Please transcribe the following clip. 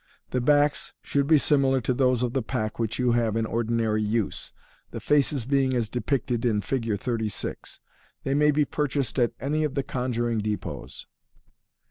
The backs should be similar to those of the pack which you have in ordinary use, the faces being as depicted in Fig. 36. They may be purchased at any of the conjuring depots.